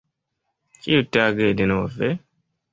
Ĉiutage denove?